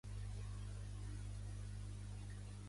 També té característiques que recorden Euchre.